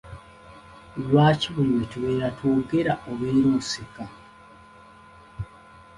Lwaki buli lwe tubeera twogera obeera oseka?